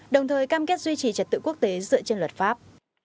đồng thời cam kết duy trì trật tự quốc tế dựa trên luật pháp